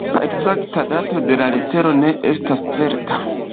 La ekzakta dato de la letero ne estas certa.